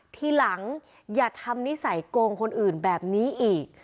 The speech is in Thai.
ทีหลังอย่าทำนิสัยโกงคนอื่นแบบนี้อีก